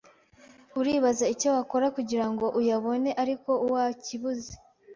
uribaza icyo wakora kugirango uyabone ariko wakibuze